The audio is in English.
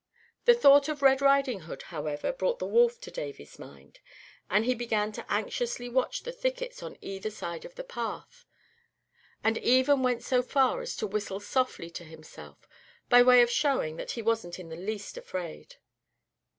The thought of Red Riding Hood, however, brought the wolf to Davy's mind, and he began to anxiously watch the thickets on either side of the path, and even went so far as to whistle softly to himself, by way of showing that he wasn't in the least afraid.